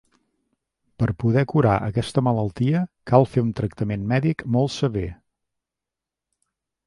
Per poder curar aquesta malaltia cal fer un tractament mèdic molt sever.